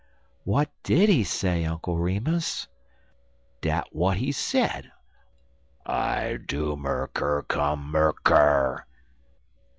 "What did he say, Uncle Remus?" "Dat w'at he said I doom er ker kum mer ker!